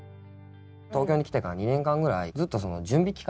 東京に来てから２年間ぐらいずっとその準備期間